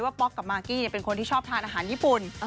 ป๊อกกับมากกี้เป็นคนที่ชอบทานอาหารญี่ปุ่น